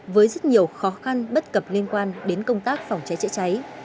với rất nhiều khó khăn bất cập liên quan đến công tác phòng cháy chữa cháy